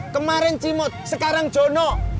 kemaren cimot sekarang jono